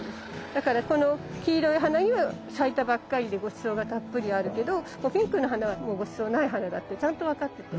だからこの黄色い花には咲いたばかりでごちそうがたっぷりあるけどもうピンクの花はもうごちそうない花だってちゃんと分かってて。